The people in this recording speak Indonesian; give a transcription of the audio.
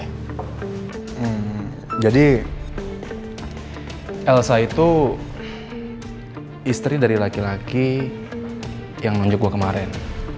hmm jadi elsa itu istri dari laki laki yang nunjuk gue kemarin